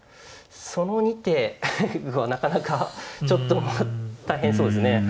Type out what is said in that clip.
その２手はなかなかちょっと大変そうですね。